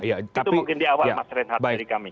itu mungkin di awal mas reinhardt dari kami